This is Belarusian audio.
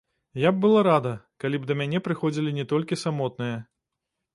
Я б была рада, калі б да мяне прыходзілі не толькі самотныя.